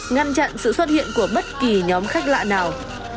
ngăn chặn sự xuất hiện của bất kỳ nhóm khách lạ nào